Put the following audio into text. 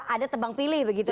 ada tebang pilih begitu